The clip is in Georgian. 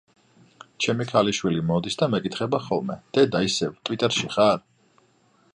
ჩემი ქალიშვილი მოდის და მეკითხება ხოლმე, დედა ისევ ტვიტერში ხარ?